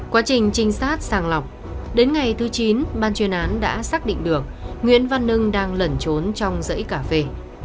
quá trình trinh sát sàng lọc đến ngày thứ chín ban chuyên án đã xác định được nguyễn văn hưng đang lẩn trốn trong dãy cà phê